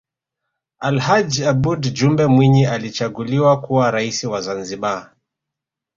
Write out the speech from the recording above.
alhaj aboud jumbe mwinyi alichaguliwa kuwa raisi wa zanzibar